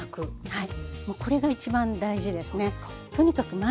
はい。